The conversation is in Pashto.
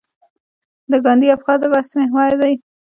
د ګاندي افکار د بحث محور دي.